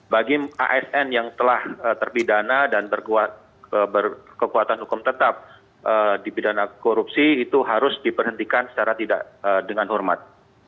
bagi asn yang telah terpidana dan berkekuatan hukum tetap dipidana korupsi itu harus diperhentikan secara tidak dengan hormat